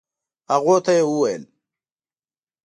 هغوی ته يې وويل.